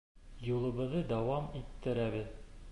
Юлыбыҙҙы дауам иттерәбеҙ.